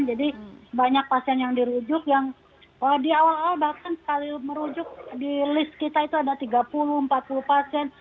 jadi banyak pasien yang dirujuk yang di awal awal bahkan sekali merujuk di list kita itu ada tiga puluh empat puluh pasien